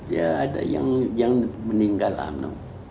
ya ada yang meninggal ana